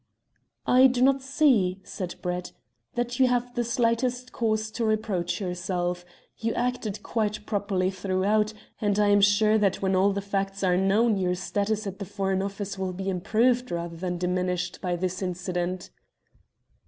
"I do not see," said Brett, "that you have the slightest cause to reproach yourself. You acted quite properly throughout, and I am sure that when all the facts are known your status at the Foreign Office will be improved rather than diminished by this incident."